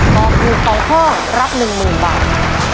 ตอบถูกสองข้อรับหนึ่งหมื่นบาท